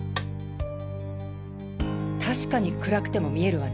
たしかに暗くても見えるわね。